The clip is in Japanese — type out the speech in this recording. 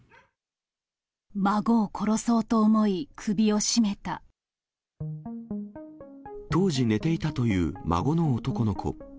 孫を殺そうと思い、首を絞め当時、寝ていたという孫の男の子。